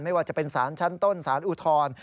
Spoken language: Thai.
ไม่ว่าจะเป็นสารชั้นต้นสารอุทธรณ์